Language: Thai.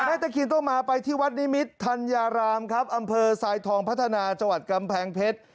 แม่ตะเคียนต้องมาไปที่วัดนิมิตรธัญลามอำเภอสายทองพัฒนาจกำแพงเพชร